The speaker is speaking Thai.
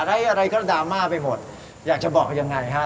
อะไรก็ดราม่าไปหมดอยากจะบอกยังไงฮะ